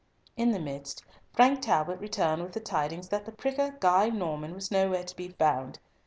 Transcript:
In the midst, Frank Talbot returned with the tidings that the pricker Guy Norman was nowhere to be found.